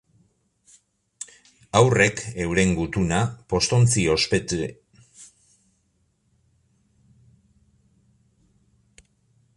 Haurrek, euren gutuna, postontzi ospetsuan botatzeko aukera daukate.